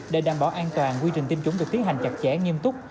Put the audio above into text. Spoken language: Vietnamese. để đảm bảo an toàn quy trình tiêm chủng được tiến hành chặt chẽ nghiêm túc